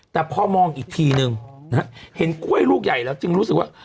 แต่พอมองอีกทีนึงนะฮะเห็นกล้วยลูกใหญ่แล้วจึงรู้สึกว่า